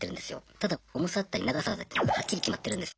ただ重さだったり長さだったりがはっきり決まってるんです。